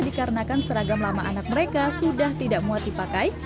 dikarenakan seragam lama anak mereka sudah tidak muat dipakai